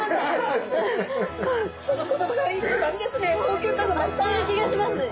その言葉が一番ですね。